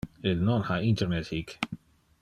Il non ha internet hic